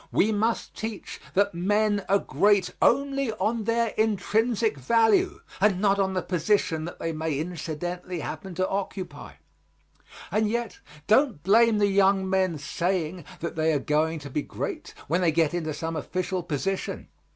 We must teach that men are great only on their intrinsic value, and not on the position that they may incidentally happen to occupy. And yet, don't blame the young men saying that they are going to be great when they get into some official position.